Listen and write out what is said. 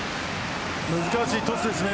難しいトスですね。